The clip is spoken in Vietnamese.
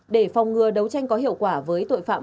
để phòng ngừa đấu tranh có hiệu quả với tội phạm